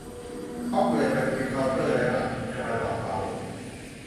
ช็อกเลย มาจนถึงเคาน์เตอร์แล้วอะ จะมาดรอปเป๋า